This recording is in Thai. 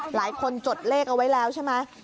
จดเลขเอาไว้แล้วใช่ไหม